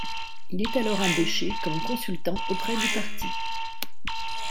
Il est alors embauché comme consultant auprès du parti.